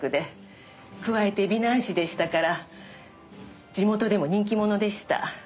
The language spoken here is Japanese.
加えて美男子でしたから地元でも人気者でした。